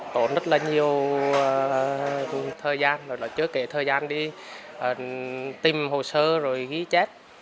tốn rất là nhiều thời gian rồi nó chưa kể thời gian đi tìm hồ sơ rồi ghi chép